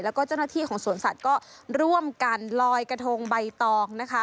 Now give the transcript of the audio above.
แล้วก็เจ้าหน้าที่ของสวนสัตว์ก็ร่วมกันลอยกระทงใบตองนะคะ